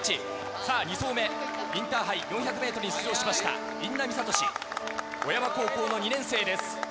さらに、２走目、インターハイ、４００メートルに出場しました、印南智史、小山高校の２年生です。